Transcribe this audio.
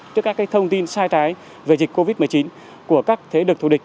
trước các thông tin sai trái về dịch covid một mươi chín của các thế lực thù địch